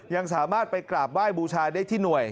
ยังสามารถไปกราบไหว้บูชาได้ที่หน่วย